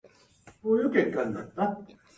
水の呼吸漆ノ型雫波紋突き（しちのかたしずくはもんづき）